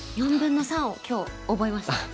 「４分の３」を今日覚えました。